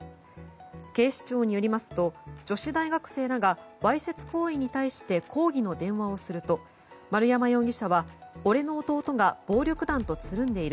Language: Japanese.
警視庁によりますと女子大学生らがわいせつ行為に対して抗議の電話をすると丸山容疑者は、俺の弟が暴力団とつるんでいる。